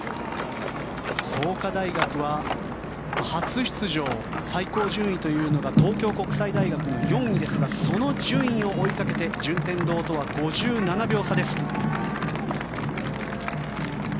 創価大学は初出場最高順位というのが東京国際大学の４位ですがその順位を追いかけて順天堂とは５７秒差です。